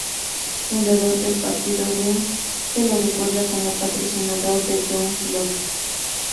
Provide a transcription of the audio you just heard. Fundador del partido Whig, se lo recuerda como patrocinador de John Locke.